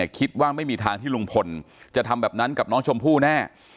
คิดว่าไม่มีทางที่ลุงพลจะทำแบบนั้นกับน้องชมพู่แน่